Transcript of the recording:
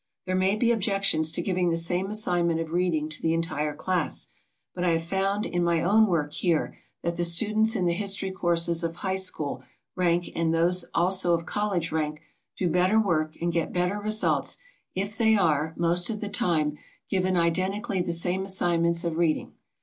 There may be objections to giving the same assignment of reading to the entire class, but I have found in my own work here that the students in the history courses of high school rank and those also of college rank do better work and get better results if they are, most of the time, given identically the same assignments of reading.